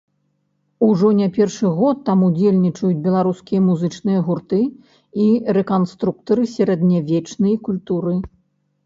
Ужо не першы год там удзельнічаюць беларускія музычныя гурты і рэканструктары сярэднявечнай культуры.